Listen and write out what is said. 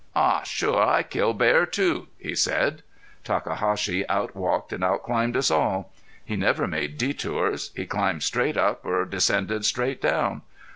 "Aw sure I kill bear too," he said. Takahashi outwalked and outclimbed us all. He never made detours. He climbed straight up or descended straight down.